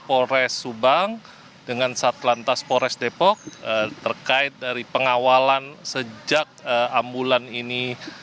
forest subang dengan sat lantas forest depok terkait dari pengawalan sejak ambulan ini